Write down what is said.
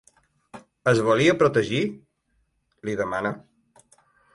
Es volia protegir?, li demana.